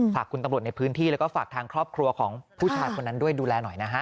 ฝากคุณตำรวจในพื้นที่แล้วก็ฝากทางครอบครัวของผู้ชายคนนั้นด้วยดูแลหน่อยนะฮะ